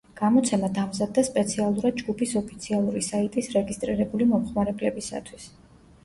გამოცემა დამზადდა სპეციალურად ჯგუფის ოფიციალური საიტის რეგისტრირებული მომხმარებლებისათვის.